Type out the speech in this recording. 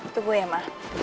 tunggu ya ma